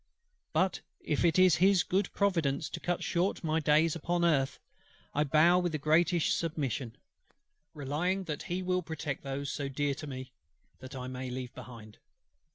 But if it is His good providence to cut short my days upon earth, I bow with the greatest submission; relying that He will protect those, so dear to me, that I may leave behind.